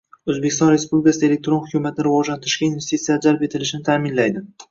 O‘zbekiston Respublikasida elektron hukumatni rivojlantirishga investitsiyalar jalb etilishini ta’minlaydi;